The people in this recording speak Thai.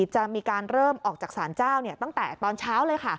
จะมีการเริ่มออกจากศาลเจ้าตั้งแต่ตอนเช้าเลยค่ะ